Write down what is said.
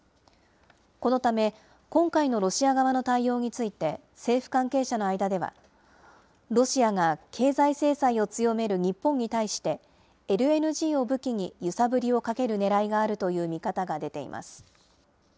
このため、今回のロシア側の対応について、政府関係者の間では、ロシアが経済制裁を強める日本に対して、ＬＮＧを武器に揺さぶりをかけるねらいがあるという見方が出ています。